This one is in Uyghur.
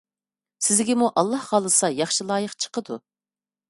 سىزگىمۇ ئاللاھ خالىسا ياخشى لايىق چىقىدۇ.